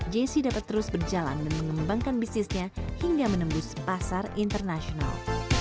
jessie dapat terus berjalan dan mengembangkan bisnisnya hingga menembus pasar internasional